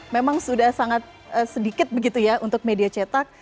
memang sudah sangat sedikit begitu ya untuk media cetak